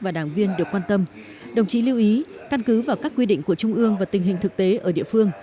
và đảng viên được quan tâm đồng chí lưu ý căn cứ vào các quy định của trung ương và tình hình thực tế ở địa phương